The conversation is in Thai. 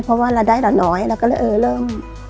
เพราะว่าเราได้เหล่าน้อย